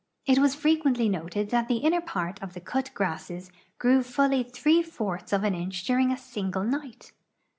It was frequently noted that the inner ]>art of the cut grasses grew fully three fourths of an inch during a single night.